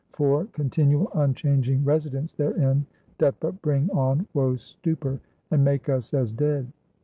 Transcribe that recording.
For continual unchanging residence therein, doth but bring on woe's stupor, and make us as dead.